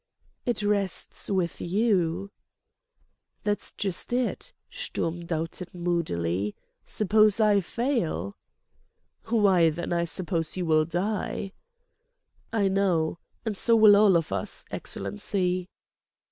"It rests with you." "That's just it," Sturm doubted moodily. "Suppose I fail?" "Why, then—I suppose—you will die." "I know. And so will all of us, Excellency."